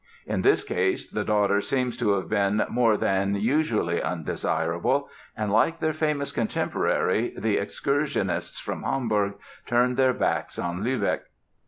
In this case the daughter seems to have been more than usually undesirable and, like their famous contemporary, the excursionists from Hamburg turned their backs on Lübeck.